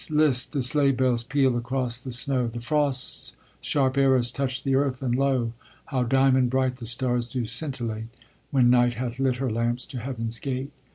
list! the sleigh bells peal across the snow; The frost's sharp arrows touch the earth and lo! How diamond bright the stars do scintillate When Night hath lit her lamps to Heaven's gate.